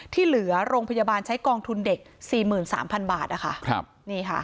ที่เหลือโรงพยาบาลใช้กลองทุนเด็ก๔๓๐๐๐บาทนะคะ